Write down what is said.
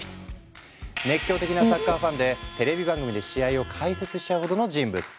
熱狂的なサッカーファンでテレビ番組で試合を解説しちゃうほどの人物。